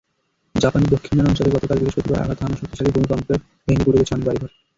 জাপানের দক্ষিণাঞ্চলে গতকাল বৃহস্পতিবার আঘাত হানা শক্তিশালী ভূমিকম্পে ভেঙে গুঁড়িয়ে গেছে অনেক বাড়িঘর।